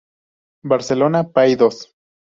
Barcelona: Paidós.